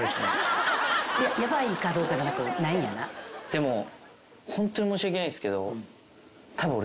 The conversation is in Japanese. でもホントに申し訳ないんすけどたぶん俺。